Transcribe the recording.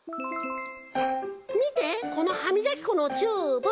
みてこのはみがきこのチューブ！